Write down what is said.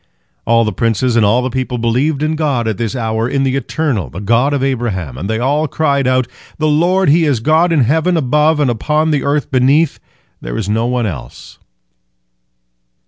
All the princes and all the people believed in God at this hour, in the Eternal, the God of Abraham, and they all cried out, "The Lord He is God in heaven above and upon the earth beneath; there is none else."